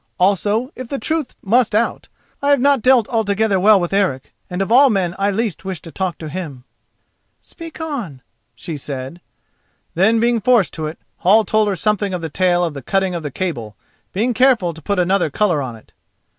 Also, if the truth must out, I have not dealt altogether well with Eric, and of all men I least wish to talk with him." "Speak on," she said. Then, being forced to it, Hall told her something of the tale of the cutting of the cable, being careful to put another colour on it.